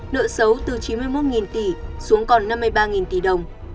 nợ xấu từ chín mươi một tỷ xuống còn năm mươi ba tỷ đồng